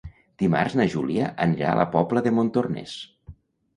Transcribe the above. Dimarts na Júlia anirà a la Pobla de Montornès.